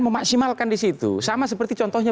memaksimalkan disitu sama seperti contohnya